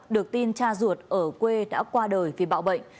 được tin cha ruột ở quê đã qua đời vì bạo bệnh